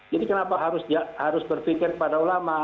jadi kenapa harus berpikir kepada ulama